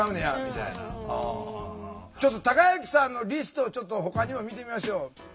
たかゆきさんのリストをちょっとほかにも見てみましょう。